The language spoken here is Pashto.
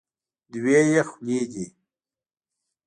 دوه یې خولې دي.